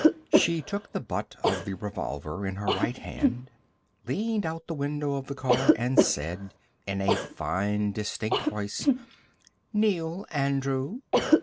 She took the butt of the revolver in her right hand, leaned out the window of the car, and said in a fine, distinct voice: "Kneel, Andrew."